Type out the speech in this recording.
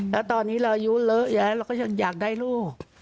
แล้วตอนนี้เราอายุเลอะยายเราก็ยังอยากได้ลูก